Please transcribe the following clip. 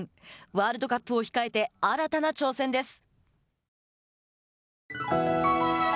ワールドカップを控えて新たな挑戦です。